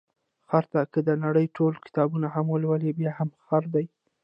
خره ته که د نړۍ ټول کتابونه هم ولولې، بیا هم خر دی.